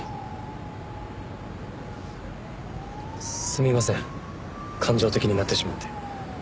すみません感情的になってしまって。